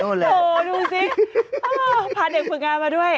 โอ้โหดูสิพาเด็กฝึกงานมาด้วย